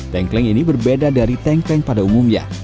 tengkleng ini berbeda dari tengkleng pada umumnya